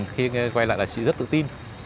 khi quay lại là chị rất tự tin